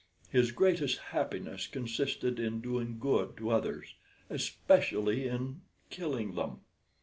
His greatest happiness consisted in doing good to others, especially in killing them.